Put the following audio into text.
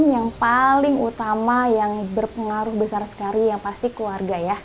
yang paling utama yang berpengaruh besar sekali yang pasti keluarga ya